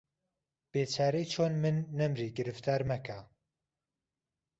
بێچارهی چۆن من، نهمری، گرفتار مهکه